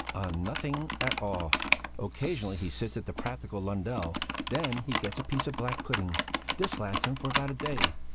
"On nothing at all! Occasionally he sits to the practical Lundell and then he gets a piece of black pudding. This lasts him for about a day.